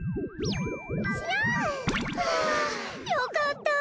よかった。